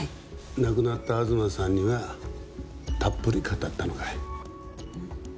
亡くなった東さんにはたっぷり語ったのかい？